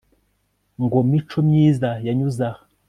ngo mico myiza yanyuze aha